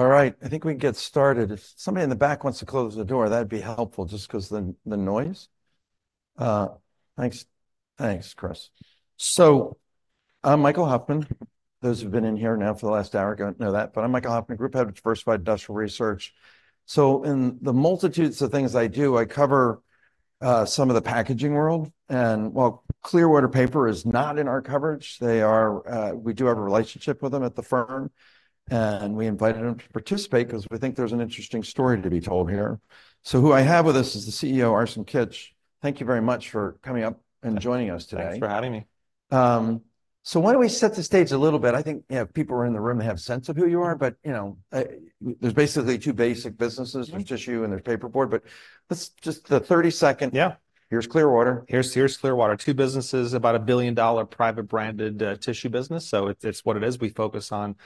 All right, I think we can get started. If somebody in the back wants to close the door, that'd be helpful, just 'cause the noise. Thanks. Thanks, Chris. So I'm Michael Hoffman. Those who've been in here now for the last hour are gonna know that, but I'm Michael Hoffman, Group Head of Diversified Industrial Research. So in the multitudes of things I do, I cover some of the packaging world. And while Clearwater Paper is not in our coverage, they are, we do have a relationship with them at the firm, and we invited them to participate 'cause we think there's an interesting story to be told here. So who I have with us is the CEO, Arsen Kitch. Thank you very much for coming up and joining us today. Thanks for having me. So why don't we set the stage a little bit? I think, you know, people who are in the room have a sense of who you are, but, you know, there's basically two basic businesses- Mm-hmm. There's tissue and there's paperboard, but let's just the 30-second Yeah. Here's Clearwater. Here's Clearwater. Two businesses, about a billion-dollar private-branded tissue business, so it, it's what it is. We focus on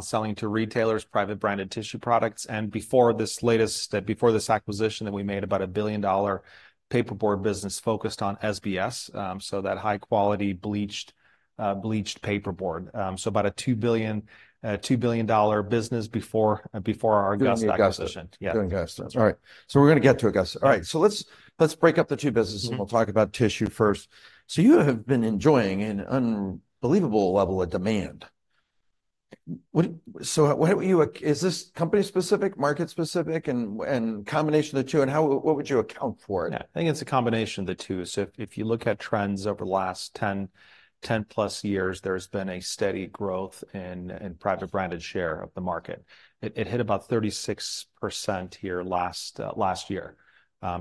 selling to retailers, private-branded tissue products. Before this latest acquisition that we made, about a billion-dollar paperboard business focused on SBS, so that high-quality bleached paperboard. So about a $2 billion business before our Augusta acquisition. Doing Augusta. Yeah. Doing Augusta. That's right. All right, so we're gonna get to Augusta. All right, so let's break up the two businesses- Mm-hmm. And we'll talk about tissue first. So you have been enjoying an unbelievable level of demand. What... So, what you— Is this company-specific, market-specific, and combination of the two, and how, what would you account for it? Yeah, I think it's a combination of the two. So if you look at trends over the last 10-plus years, there's been a steady growth in private-branded share of the market. It hit about 36% here last year.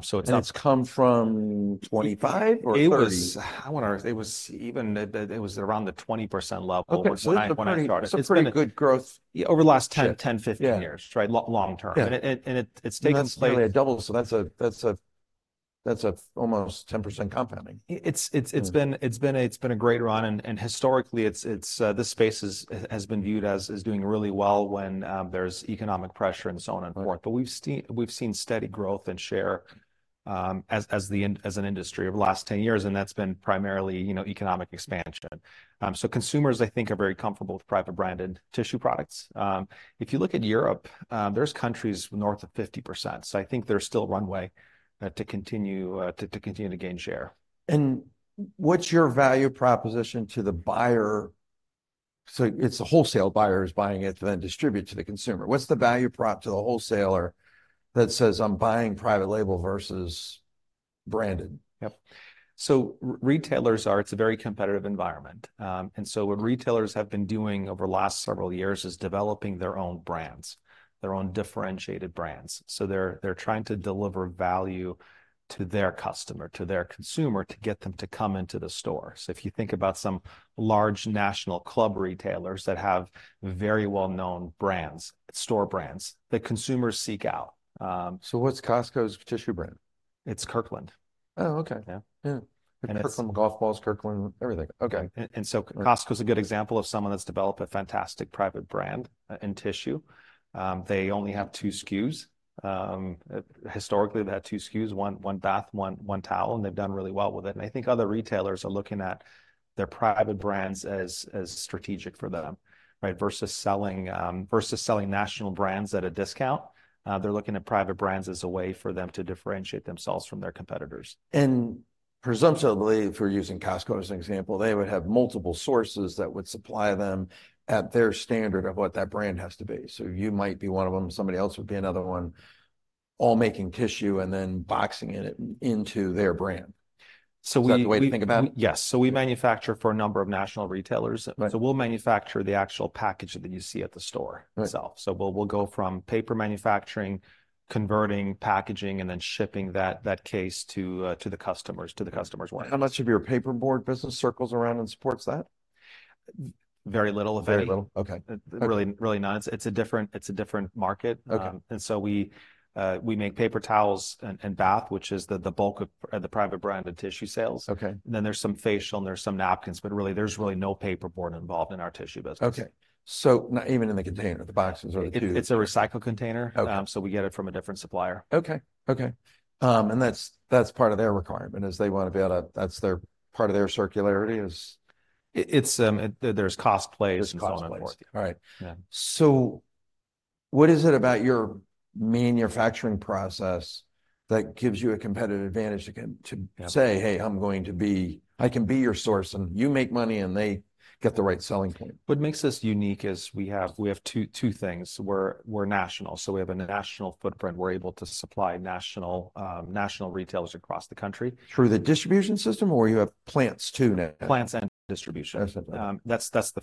So it's- It's come from 25 or 30? It was... I wonder. It was even, it was around the 20% level- Okay - When I started. Pretty good growth. Over the last 10-15 years. Yeah. Right, long term. Yeah. It's taken place- That's nearly a double, so that's almost 10% compounding. It's been a great run, and historically, it's this space has been viewed as doing really well when there's economic pressure and so on and forth. Right. But we've seen steady growth and share, as an industry over the last 10 years, and that's been primarily, you know, economic expansion. So consumers, I think, are very comfortable with private-branded tissue products. If you look at Europe, there's countries north of 50%, so I think there's still runway to continue to gain share. What's your value proposition to the buyer? So it's the wholesale buyer who's buying it to then distribute to the consumer. What's the value prop to the wholesaler that says, "I'm buying private label versus branded? Yep. So retailers are. It's a very competitive environment. And so what retailers have been doing over the last several years is developing their own brands, their own differentiated brands. So they're trying to deliver value to their customer, to their consumer, to get them to come into the store. So if you think about some large national club retailers that have very well-known brands, store brands, that consumers seek out. What's Costco's tissue brand? It's Kirkland. Oh, okay. Yeah. Yeah. And it's- Kirkland golf balls, Kirkland everything. Okay. And so Costco's a good example of someone that's developed a fantastic private brand in tissue. They only have two SKUs. Historically, they had two SKUs, one bath, one towel, and they've done really well with it. And I think other retailers are looking at their private brands as strategic for them, right? Versus selling national brands at a discount, they're looking at private brands as a way for them to differentiate themselves from their competitors. Presumptively, if we're using Costco as an example, they would have multiple sources that would supply them at their standard of what that brand has to be. So you might be one of them, somebody else would be another one, all making tissue and then boxing it into their brand. So we, Is that the way to think about it? Yes. Yeah. We manufacture for a number of national retailers. Right. We'll manufacture the actual package that you see at the store- Right... itself. So we'll go from paper manufacturing, converting, packaging, and then shipping that case to to the customers, to the customer's warehouse. How much of your paperboard business circles around and supports that? Very little, if any. Very little? Okay. Really, really none. It's a different market. Okay. We make paper towels and bath, which is the bulk of the private-branded tissue sales. Okay. There's some facial, and there's some napkins, but really, there's really no paperboard involved in our tissue business. Okay. So not even in the container, the boxes or the two- It's a recycled container. Okay. So we get it from a different supplier. Okay, okay. And that's, that's part of their requirement, is they want to be able to. That's their, part of their circularity is... It's, there's cost plays- There's cost plays.... and so on and forth. All right. Yeah. What is it about your manufacturing process that gives you a competitive advantage to com- Yeah... to say, "Hey, I'm going to be, I can be your source," and you make money, and they get the right selling point? What makes us unique is we have two things. We're national, so we have a national footprint. We're able to supply national retailers across the country. Through the distribution system, or you have plants too now? Plants and distribution. I see. That's the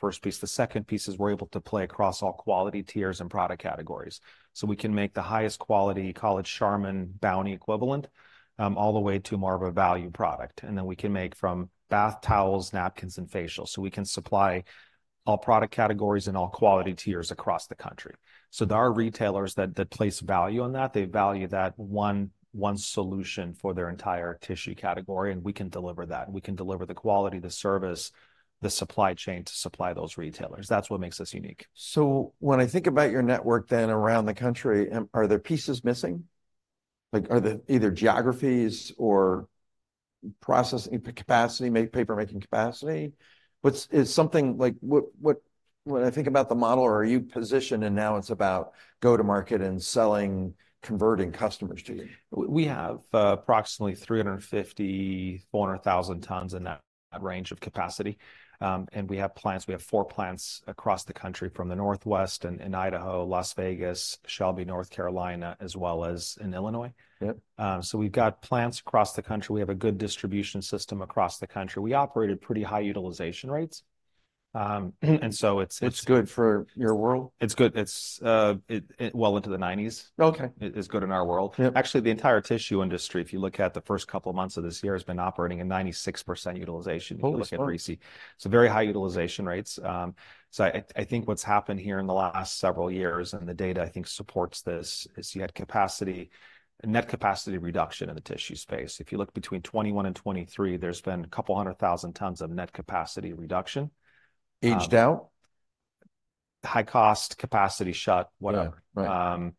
first piece. The second piece is we're able to play across all quality tiers and product categories. So we can make the highest quality, call it Charmin, Bounty equivalent, all the way to more of a value product. And then we can make from bath towels, napkins, and facials. So we can supply all product categories and all quality tiers across the country. So there are retailers that place value on that. They value that one solution for their entire tissue category, and we can deliver that. We can deliver the quality, the service, the supply chain to supply those retailers. That's what makes us unique. So when I think about your network, then, around the country, are there pieces missing? Like, are they either geographies or processing capacity, make papermaking capacity? What's missing, is something like what? When I think about the model, are you positioned and now it's about go-to-market and selling, converting customers to you? We have approximately 350-400 thousand tons in that range of capacity. We have plants, we have four plants across the country, from the Northwest, in Idaho, Las Vegas, Shelby, North Carolina, as well as in Illinois. Yep. So we've got plants across the country. We have a good distribution system across the country. We operate at pretty high utilization rates. And so it's It's good for your world? It's good. It's well into the nineties- Okay... it is good in our world. Yep. Actually, the entire tissue industry, if you look at the first couple of months of this year, has been operating at 96% utilization. Oh, that's great.... if you look at RISI. So very high utilization rates. So I think what's happened here in the last several years, and the data I think supports this, is you had capacity, net capacity reduction in the tissue space. If you look between 2021 and 2023, there's been 200,000 tons of net capacity reduction. Aged out? High cost, capacity shut, whatever. Right, right.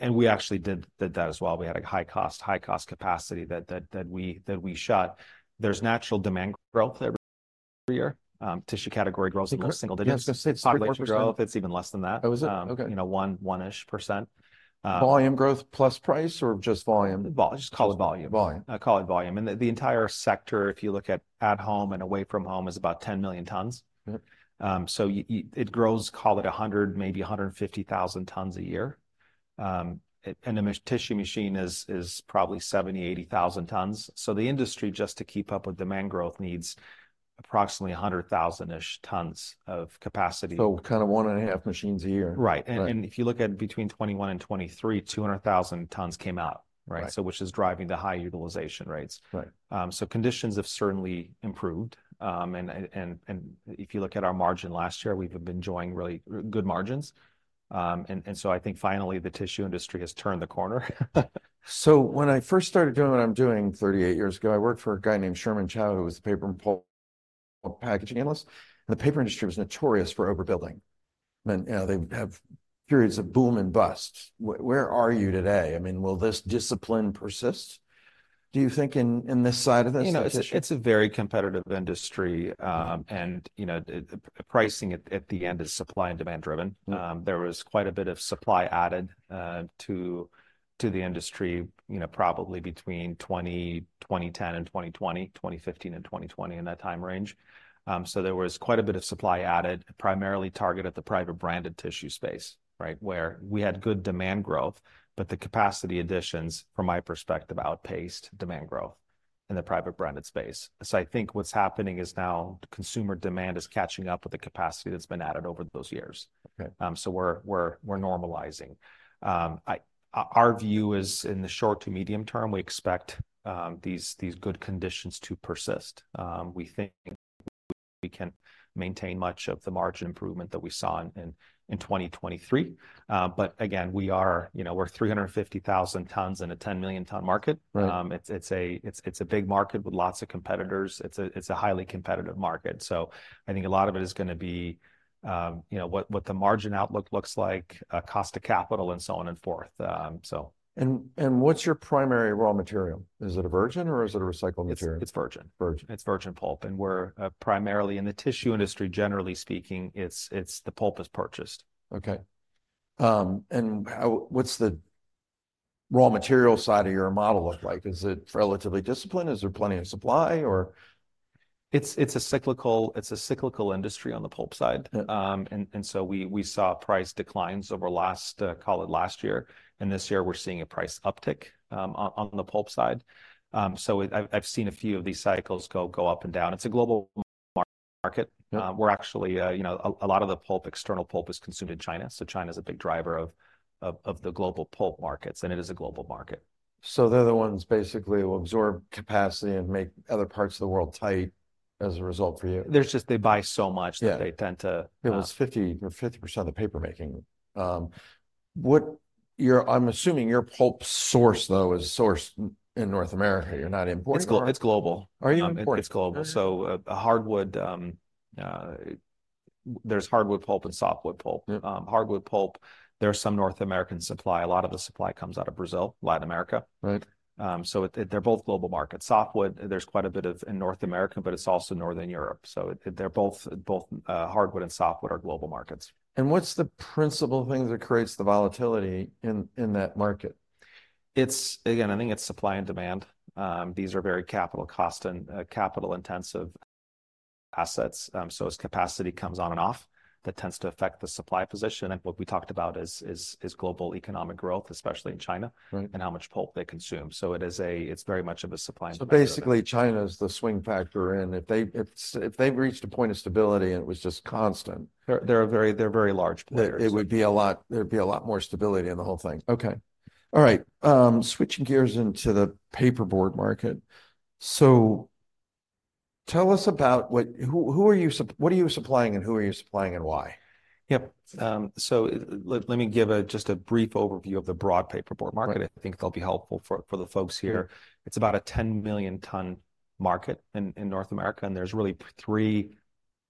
And we actually did that as well. We had a high-cost capacity that we shut. There's natural demand growth every year. Tissue category growth- Okay... single digits. Yeah, I was going to say- Population growth, it's even less than that. Oh, is it? Okay. You know, one, 1-ish %. Volume growth plus price, or just volume? Just call it volume. Volume. I'd call it volume. The entire sector, if you look at home and away from home, is about 10 million tons. Mm-hmm. So it grows, call it 100,000, maybe 150,000 tons a year. And a tissue machine is probably 70,000-80,000 tons. So the industry, just to keep up with demand growth, needs approximately 100,000-ish tons of capacity. Kind of one and a half machines a year? Right. Right. And if you look at between 2021 and 2023, 200,000 tons came out, right? Right. Which is driving the high utilization rates? Right. So conditions have certainly improved. And if you look at our margin last year, we've been enjoying really good margins. So I think finally the tissue industry has turned the corner. So when I first started doing what I'm doing 38 years ago, I worked for a guy named Sherman Chao, who was the paper and pulp packaging analyst, and the paper industry was notorious for overbuilding. And, you know, they would have periods of boom and bust. Where are you today? I mean, will this discipline persist, do you think, in this side of this situation? You know, it's a very competitive industry. You know, the pricing at the end is supply and demand driven. Mm-hmm. There was quite a bit of supply added to the industry, you know, probably between 2010 and 2020, 2015 and 2020, in that time range. So there was quite a bit of supply added, primarily targeted at the private branded tissue space, right? Where we had good demand growth, but the capacity additions, from my perspective, outpaced demand growth in the private branded space. So I think what's happening is now consumer demand is catching up with the capacity that's been added over those years. Okay. So we're normalizing. Our view is, in the short to medium term, we expect these good conditions to persist. We think we can maintain much of the margin improvement that we saw in 2023. But again, you know, we're 350,000 tons in a 10-million-ton market. Right. It's a big market with lots of competitors. It's a highly competitive market, so I think a lot of it is going to be, you know, what the margin outlook looks like, cost of capital, and so on and forth. So... And what's your primary raw material? Is it a virgin or is it a recycled material? It's virgin. Virgin. It's virgin pulp, and we're primarily in the tissue industry, generally speaking, the pulp is purchased. Okay. And what's the raw material side of your model look like? Is it relatively disciplined? Is there plenty of supply, or...? It's a cyclical industry on the pulp side. Yeah. So we saw price declines over last, call it last year, and this year we're seeing a price uptick on the pulp side. So I've seen a few of these cycles go up and down. It's a global market. Yeah. We're actually... You know, a lot of the pulp, external pulp, is consumed in China, so China's a big driver of the global pulp markets, and it is a global market. So they're the ones basically who absorb capacity and make other parts of the world tight as a result for you? They buy so much. Yeah... that they tend to, It was 50 or 50% of the papermaking. I'm assuming your pulp source, though, is sourced in North America. You're not importing? It's global. Are you importing? It's global. Okay. So, there's hardwood pulp and softwood pulp. Yeah. Hardwood pulp, there's some North American supply. A lot of the supply comes out of Brazil, Latin America. Right. So, they're both global markets. Softwood, there's quite a bit of in North America, but it's also Northern Europe, so they're both hardwood and softwood are global markets. What's the principal thing that creates the volatility in that market? It's again, I think it's supply and demand. These are very capital cost and capital-intensive assets. So as capacity comes on and off, that tends to affect the supply position. And what we talked about is global economic growth, especially in China- Right... and how much pulp they consume. So it is, it's very much of a supply and demand- So basically, China's the swing factor, and if they've reached a point of stability and it was just constant- They're very large players.... it would be a lot, there'd be a lot more stability in the whole thing. Okay. All right, switching gears into the paperboard market. So tell us about what are you supplying, and who are you supplying and why? Yep. So let me give just a brief overview of the broad paperboard market. Right. I think that'll be helpful for the folks here. Mm-hmm. It's about a 10 million-ton market in North America, and there's really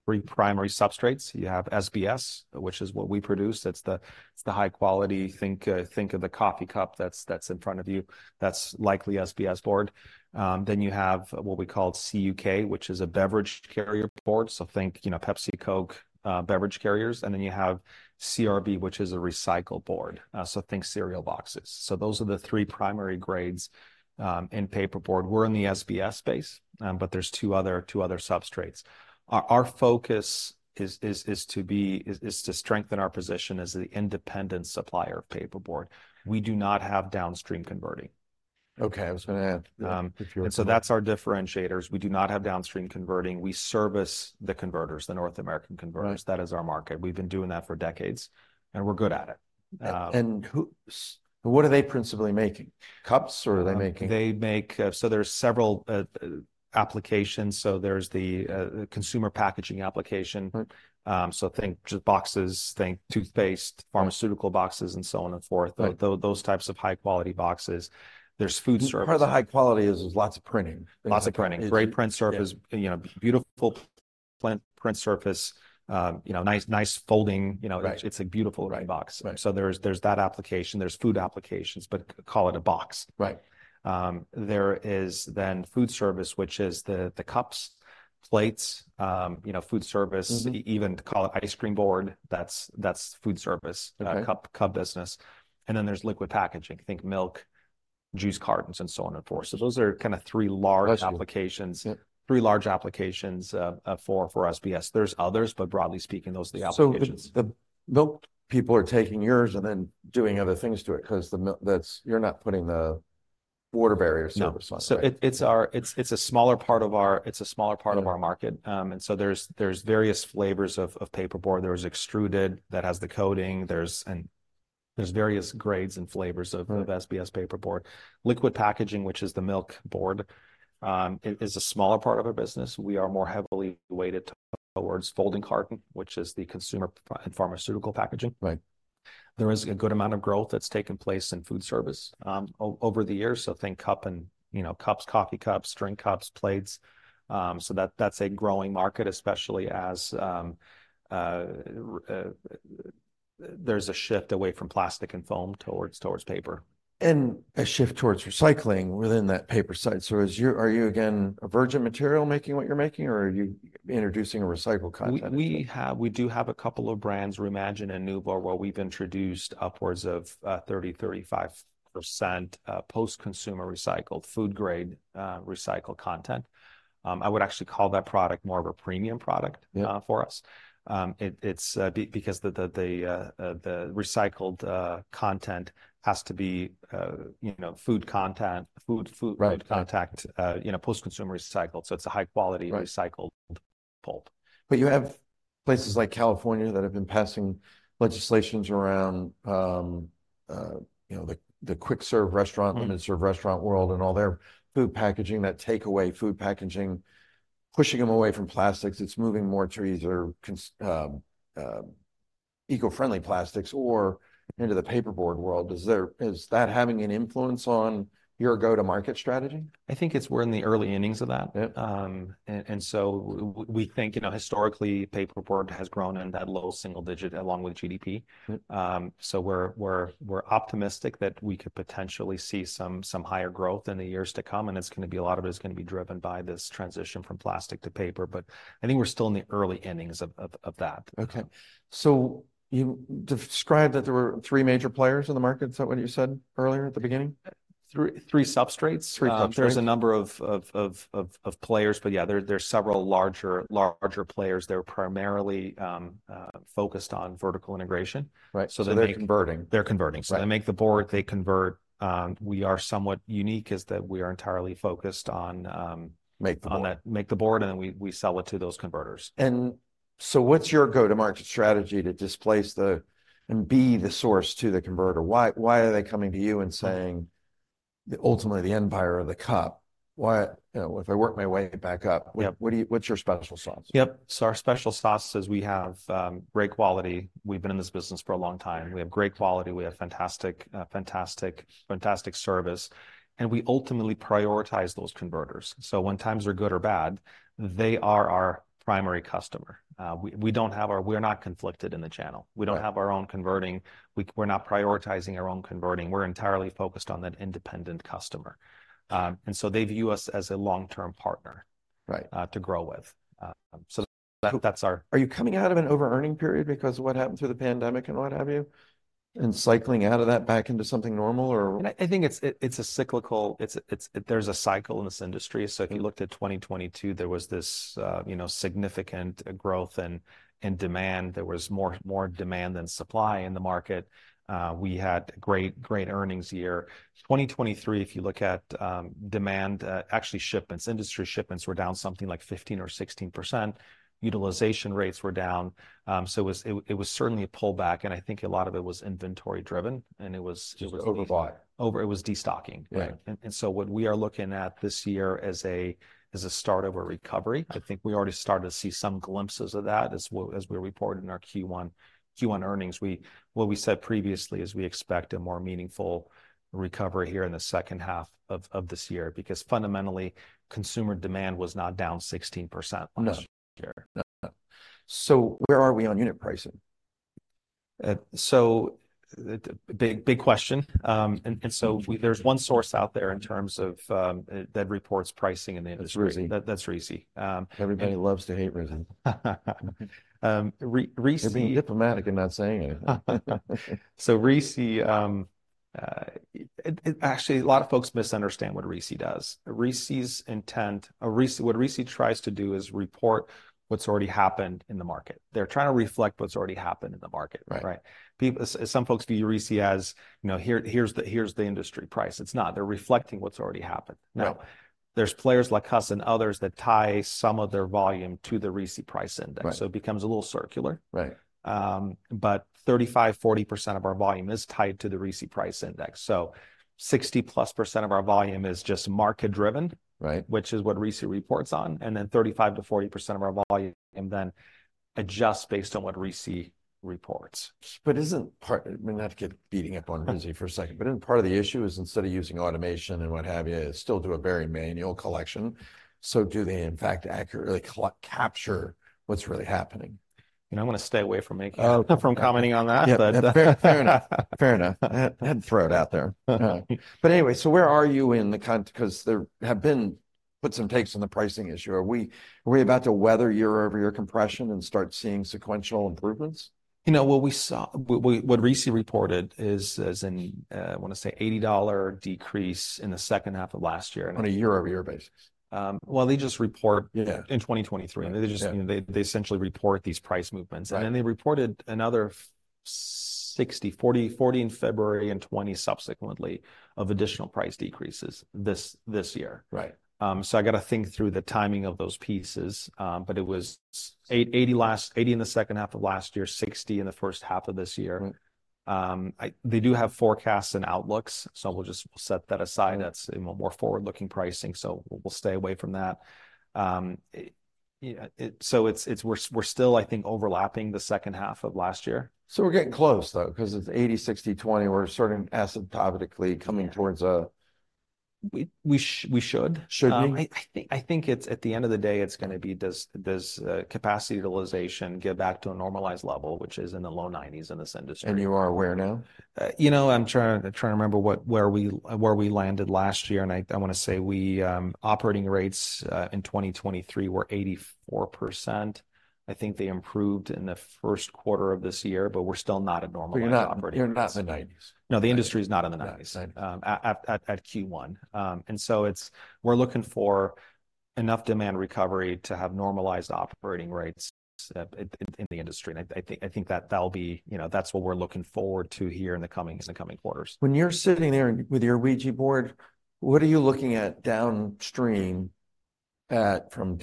three primary substrates. You have SBS, which is what we produce. That's the, it's the high quality. Think, think of the coffee cup that's in front of you, that's likely SBS board. Then you have what we call CUK, which is a beverage carrier board, so think, you know, Pepsi, Coke, beverage carriers. And then you have CRB, which is a recycle board. So think cereal boxes. So those are the three primary grades in paperboard. We're in the SBS space, but there's two other substrates. Our focus is to strengthen our position as the independent supplier of paperboard. We do not have downstream converting. Okay, I was gonna ask if you- And so that's our differentiators. We do not have downstream converting. We service the converters, the North American converters. Right. That is our market. We've been doing that for decades, and we're good at it. What are they principally making? Cups, or are they making- They make. So there are several applications. So there's the consumer packaging application. Mm-hmm. So, think just boxes, think toothpaste- Yeah... pharmaceutical boxes, and so on and so forth. Right. Those types of high-quality boxes. There's food service- Part of the high quality is there's lots of printing. Lots of printing. It- Great print surface- Yeah... you know, beautiful print surface. You know, nice, nice folding. You know- Right... it's a beautiful end box. Right. Right. So there's, there's that application. There's food applications, but call it a box. Right. There is then food service, which is the cups, plates. You know, food service- Mm-hmm... even call it ice cream board, that's, that's food service- Okay... cup, cup business. And then there's liquid packaging, think milk, juice cartons, and so on and forth. So those are kind of three large applications- Applications. Yep... three large applications for SBS. There's others, but broadly speaking, those are the applications. So the milk people are taking yours and then doing other things to it, 'cause you're not putting the water barriers- No... yourself, right? So it's a smaller part of our market. Yeah. And so there's various flavors of paperboard. There's extruded that has the coating, there's... And there's various grades and flavors of- Right... of SBS paperboard. Liquid packaging, which is the milk board, it is a smaller part of our business. We are more heavily weighted towards folding carton, which is the consumer and pharmaceutical packaging. Right. There is a good amount of growth that's taken place in food service, over the years, so think cup and, you know, cups, coffee cups, drink cups, plates. So that, that's a growing market, especially as, there's a shift away from plastic and foam towards, towards paper. A shift towards recycling within that paper side. So are you again, a virgin material, making what you're making, or are you introducing a recycled content? We do have a couple of brands, ReMagine and NuVo, where we've introduced upwards of 30%-35% post-consumer recycled, food-grade recycled content. I would actually call that product more of a premium product. Yeah... for us. It’s because the recycled content has to be, you know, food contact, food, food- Right... food contact, you know, post-consumer recycled, so it's a high-quality- Right... recycled pulp. But you have places like California that have been passing legislation around, you know, the quick-serve restaurant- Mm... and serve restaurant world and all their food packaging, that takeaway food packaging, pushing them away from plastics. It's moving more to either consumer eco-friendly plastics or into the paperboard world. Is that having an influence on your go-to-market strategy? I think we're in the early innings of that. Yeah. And so we think, you know, historically, paperboard has grown in that low single digit along with GDP. Mm. So we're optimistic that we could potentially see some higher growth in the years to come, and it's gonna be a lot of it's gonna be driven by this transition from plastic to paper, but I think we're still in the early innings of that. Okay. So you described that there were three major players in the market. Is that what you said earlier at the beginning? 3, 3 substrates? Three substrates. There's a number of players, but yeah, there's several larger players that are primarily focused on vertical integration. Right. So they- They're converting. They're converting. Right. They make the board, they convert. We are somewhat unique, is that we are entirely focused on, Make the board.... on that, make the board, and then we sell it to those converters. So what's your go-to-market strategy to displace the, and be the source to the converter? Why, why are they coming to you and saying, ultimately, the empire of the cup, why... You know, if I work my way back up- Yeah... what's your special sauce? Yep. So our special sauce is we have great quality. We've been in this business for a long time. We have great quality, we have fantastic, fantastic, fantastic service, and we ultimately prioritize those converters. So when times are good or bad, they are our primary customer. We're not conflicted in the channel. Right. We don't have our own converting. We're not prioritizing our own converting. We're entirely focused on that independent customer. And so they view us as a long-term partner. Right... to grow with. So that's our- Are you coming out of an over-earning period because of what happened through the pandemic and what have you, and cycling out of that back into something normal or? I think it's cyclical. There's a cycle in this industry. Yeah. So if you looked at 2022, there was this, you know, significant growth and demand. There was more demand than supply in the market. We had great earnings year. 2023, if you look at demand, actually shipments, industry shipments were down something like 15%-16%. Utilization rates were down. So it was certainly a pullback, and I think a lot of it was inventory-driven, and it was. Just overbought. It was destocking. Right. So what we are looking at this year as a start of a recovery- Yeah... I think we already started to see some glimpses of that as we reported in our Q1 earnings. We, what we said previously is we expect a more meaningful recovery here in the second half of this year, because fundamentally, consumer demand was not down 16%- No... last year. No. So where are we on unit pricing?... so, big, big question. And so- Mm-hmm... there's one source out there in terms of, that reports pricing in the industry. That's RISI. That, that's RISI. Everybody loves to hate RISI. RISI I'm being diplomatic in not saying anything. So RISI, actually, a lot of folks misunderstand what RISI does. RISI's intent, what RISI tries to do is report what's already happened in the market. They're trying to reflect what's already happened in the market. Right. Right? Some folks view RISI as, you know, "Here, here's the, here's the industry price." It's not. They're reflecting what's already happened. Yeah. Now, there's players like us and others that tie some of their volume to the RISI price index- Right... so it becomes a little circular. Right. But 35%-40% of our volume is tied to the RISI price index, so 60%+ of our volume is just market-driven- Right... which is what RISI reports on, and then 35%-40% of our volume then adjusts based on what RISI reports. But isn't part... I mean, I have to keep beating up on RISI for a second, but isn't part of the issue is instead of using automation and what have you, they still do a very manual collection, so do they in fact accurately capture what's really happening? You know, I'm gonna stay away from making- Oh-... from commenting on that, but - Yeah, fair, fair enough. Fair enough. I had—I had to throw it out there. But anyway, so where are you in the con—'cause there have been puts and takes on the pricing issue. Are we, are we about to weather year-over-year compression and start seeing sequential improvements? You know, what we saw, what RISI reported is an $80 decrease in the second half of last year- On a year-over-year basis? Well, they just report- Yeah... in 2023. Yeah. I mean, they just, you know, they essentially report these price movements. Right. And then they reported another $60, $40, $40 in February and $20 subsequently of additional price decreases this year. Right. So, I gotta think through the timing of those pieces. But it was 80 in the second half of last year, 60 in the first half of this year. Mm-hmm. They do have forecasts and outlooks, so we'll just, we'll set that aside. Mm-hmm. That's, you know, more forward-looking pricing, so we'll stay away from that. So we're still, I think, overlapping the second half of last year. So we're getting close, though, 'cause it's 80, 60, 20. We're sort of asymptotically coming- Yeah... towards a- We should. Should we? I think, at the end of the day, it's gonna be, does capacity utilization get back to a normalized level, which is in the low 90s in this industry? You are where now? You know, I'm trying to remember what, where we landed last year, and I wanna say operating rates in 2023 were 84%. I think they improved in the first quarter of this year, but we're still not at normalized operating rates. But you're not, you're not in the 90s? No, the industry is not in the 90s- Yeah, 90s... at Q1. And so it's, we're looking for enough demand recovery to have normalized operating rates in the industry, and I think that that'll be... You know, that's what we're looking forward to here in the coming quarters. When you're sitting there with your Ouija board, what are you looking at downstream from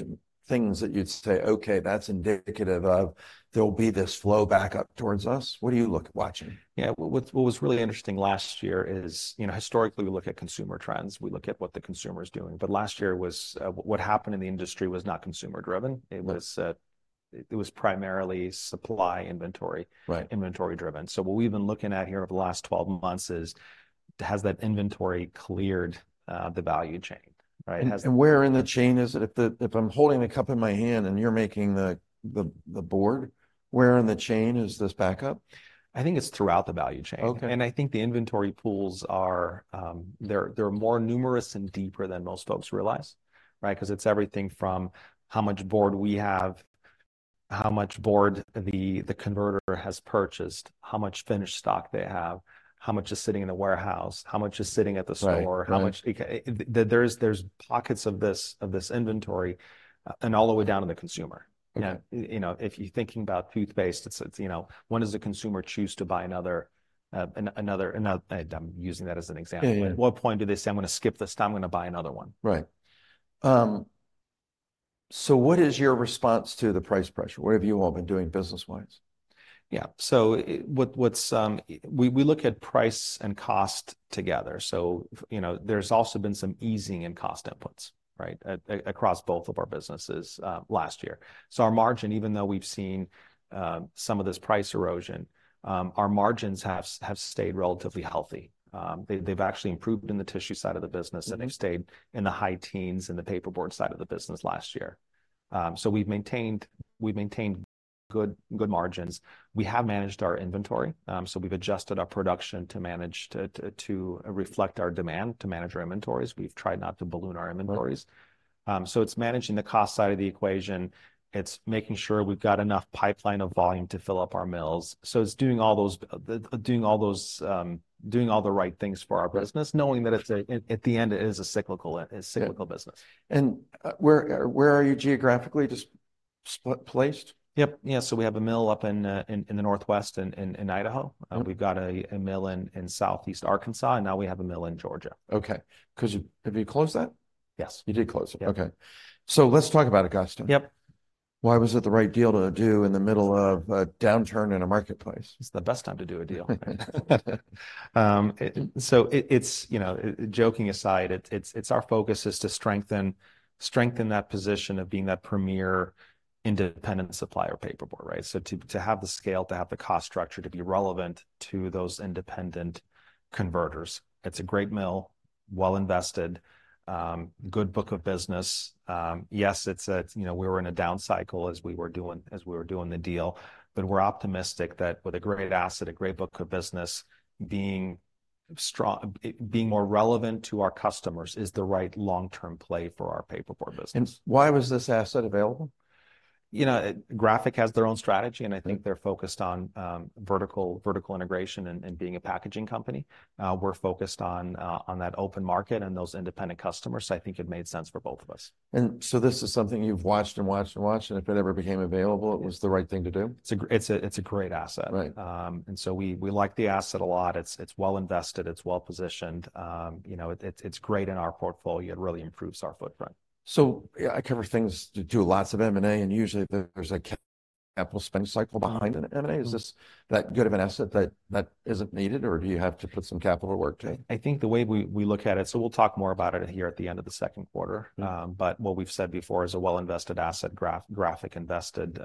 things that you'd say, "Okay, that's indicative of there'll be this flow back up towards us"? What are you watching? Yeah, what, what was really interesting last year is, you know, historically, we look at consumer trends. We look at what the consumer is doing, but last year was, what happened in the industry was not consumer-driven. Right. It was primarily supply inventory- Right... inventory-driven. So what we've been looking at here over the last 12 months is, has that inventory cleared, the value chain, right? Has- Where in the chain is it? If I'm holding a cup in my hand and you're making the board, where in the chain is this backup? I think it's throughout the value chain. Okay. I think the inventory pools are, they're more numerous and deeper than most folks realize, right? 'Cause it's everything from how much board we have, how much board the converter has purchased, how much finished stock they have, how much is sitting in the warehouse, how much is sitting at the store- Right. Right... how much, okay, there's pockets of this inventory, and all the way down to the consumer. Okay. You know, you know, if you're thinking about toothpaste, it's, it's, you know, when does the consumer choose to buy another... I'm using that as an example. Yeah, yeah. At what point do they say, "I'm gonna skip this time, I'm gonna buy another one? Right. So what is your response to the price pressure? What have you all been doing business-wise? Yeah. So, what, what's... We look at price and cost together. So, you know, there's also been some easing in cost inputs, right, across both of our businesses, last year. So our margin, even though we've seen some of this price erosion, our margins have stayed relatively healthy. They've actually improved in the tissue side of the business- Mm... and they've stayed in the high teens in the paperboard side of the business last year. So we've maintained good margins. We have managed our inventory, so we've adjusted our production to manage to reflect our demand, to manage our inventories. We've tried not to balloon our inventories. Right. So it's managing the cost side of the equation, it's making sure we've got enough pipeline of volume to fill up our mills. So it's doing all those right things for our business- Right... knowing that it's at the end, it is a cyclical business. Yeah. And, where are you geographically just split-placed? Yep. Yeah, so we have a mill up in the Northwest in Idaho. Mm. We've got a mill in Southeast Arkansas, and now we have a mill in Georgia. Okay. 'Cause, have you closed that? Yes. You did close it. Yeah. Okay. So let's talk about Augusta. Yep. Why was it the right deal to do in the middle of a downturn in a marketplace? It's the best time to do a deal. So it's, you know, joking aside, it's our focus is to strengthen that position of being that premier independent supplier paperboard, right? So to have the scale, to have the cost structure, to be relevant to those independent converters. It's a great mill, well invested, good book of business. Yes, you know, we were in a down cycle as we were doing the deal, but we're optimistic that with a great asset, a great book of business, being strong, being more relevant to our customers is the right long-term play for our paperboard business. Why was this asset available? You know, Graphic has their own strategy- Mm. -and I think they're focused on vertical integration and being a packaging company. We're focused on that open market and those independent customers. So I think it made sense for both of us. This is something you've watched and watched and watched, and if it ever became available, it was the right thing to do? It's a great asset. Right. We like the asset a lot. It's well invested, it's well positioned. You know, it's great in our portfolio. It really improves our footprint. I cover things to do lots of M&A, and usually there's a capital spend cycle behind an M&A. Mm. Is this that good of an asset that isn't needed, or do you have to put some capital to work to it? I think the way we look at it. So we'll talk more about it here at the end of the second quarter. Mm. But what we've said before is a well-invested asset. Graphic invested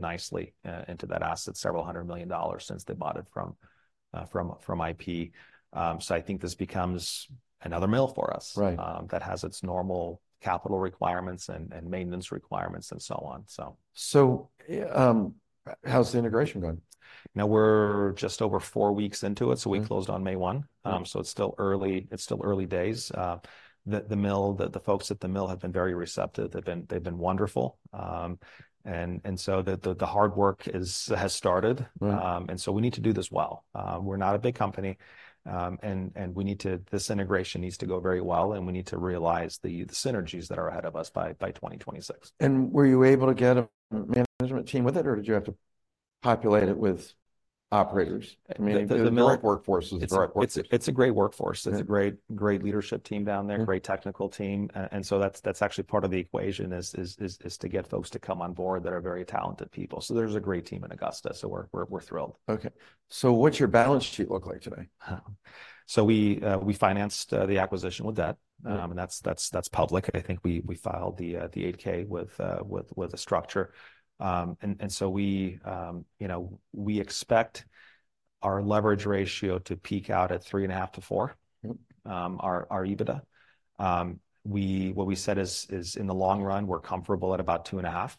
nicely into that asset, $several hundred million since they bought it from IP. So I think this becomes another mill for us- Right... that has its normal capital requirements and maintenance requirements, and so on. So... How's the integration going? Now we're just over four weeks into it. Mm. So we closed on May 1, so it's still early, it's still early days. The mill, the folks at the mill have been very receptive. They've been wonderful. So the hard work has started. Right. And so we need to do this well. We're not a big company, and this integration needs to go very well, and we need to realize the synergies that are ahead of us by 2026. Were you able to get a management team with it, or did you have to populate it with operators? I mean- The mill- The workforce was your workforce. It's a great work force. Yeah. It's a great, great leadership team down there- Mm... great technical team. And so that's actually part of the equation is to get folks to come on board that are very talented people. So there's a great team in Augusta, so we're thrilled. Okay. What's your balance sheet look like today? So we financed the acquisition with debt. Mm. And that's public. I think we filed the 8-K with the structure. So, you know, we expect our leverage ratio to peak out at 3.5-4- Mm... our EBITDA. What we said is, in the long run, we're comfortable at about 2.5.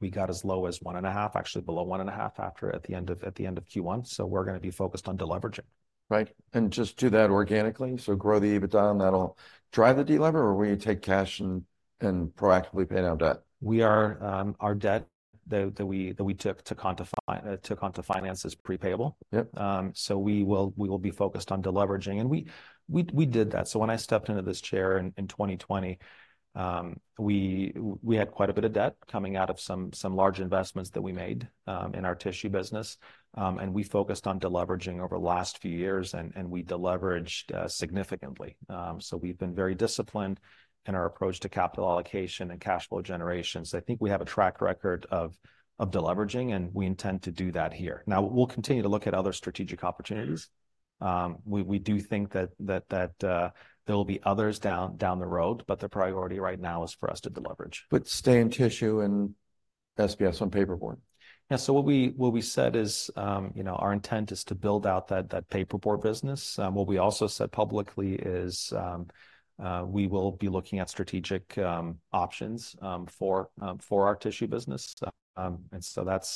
We got as low as 1.5, actually below 1.5 after, at the end of Q1, so we're gonna be focused on deleveraging. Right. And just do that organically? So grow the EBITDA, and that'll drive the delever, or will you take cash and proactively pay down debt? Our debt that we took on to finance is pre-payable. Yep. So we will be focused on deleveraging. And we did that. So when I stepped into this chair in 2020, we had quite a bit of debt coming out of some large investments that we made in our tissue business. And we focused on deleveraging over the last few years, and we deleveraged significantly. So we've been very disciplined in our approach to capital allocation and cash flow generation. So I think we have a track record of deleveraging, and we intend to do that here. Now, we'll continue to look at other strategic opportunities. Mm. We do think that there will be others down the road, but the priority right now is for us to deleverage. But stay in tissue and SBS on paperboard? Yeah, so what we, what we said is, you know, our intent is to build out that, that paperboard business. What we also said publicly is, we will be looking at strategic, options, for, for our tissue business. And so that's-